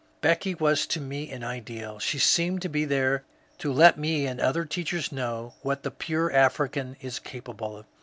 Becky was to me an ideaL She seemed to be there to let 122 MONCURE DANIEL CONWAY me and other teachers know what the pure African is capable of.